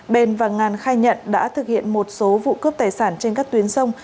bền và ngàn khai nhận đã thực hiện một số vụ cướp tài sản trên các tuyến sông